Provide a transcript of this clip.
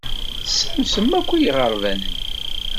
Tessamsem akk i yiɣerban-nni.